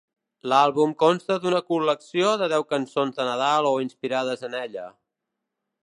L'àlbum consta d'una col·lecció de deu cançons de Nadal o inspirades en ella.